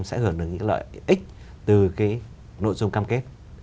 sẽ gửi được lợi ích từ nội dung cam kết